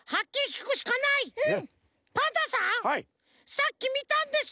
さっきみたんです！